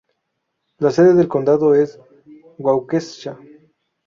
La sede del condado es Waukesha.